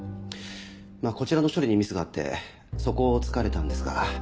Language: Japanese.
こちらの処理にミスがあってそこを突かれたんですが。